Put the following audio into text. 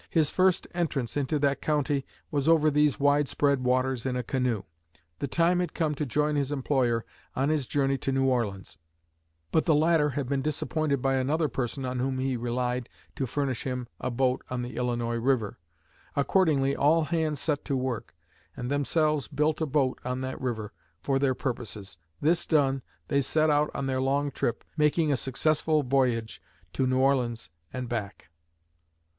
His first entrance into that county was over these wide spread waters in a canoe. The time had come to join his employer on his journey to New Orleans, but the latter had been disappointed by another person on whom he relied to furnish him a boat on the Illinois river. Accordingly all hands set to work, and themselves built a boat on that river, for their purposes. This done, they set out on their long trip, making a successful voyage to New Orleans and back."